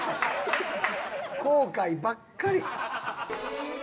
後悔ばっかり。